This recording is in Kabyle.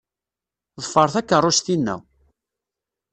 Ḍfer takeṛṛust-inna.